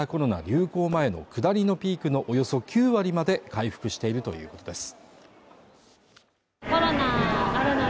流行前の下りのピークのおよそ９割まで回復しているということです